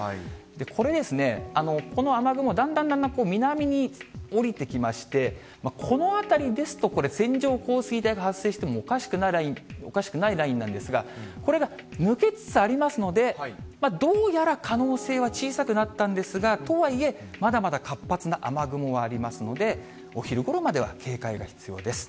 これですね、この雨雲、だんだんだんだん南に下りてきまして、この辺りですと、これ、線状降水帯が発生してもおかしくないラインなんですが、これが抜けつつありますので、どうやら可能性は小さくなったんですが、とはいえ、まだまだ活発な雨雲がありますので、お昼ごろまでは警戒が必要です。